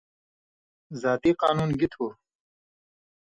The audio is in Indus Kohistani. ذاتی قانُون گی تُھو؟